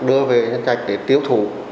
đưa về nhân trạch để tiêu thụ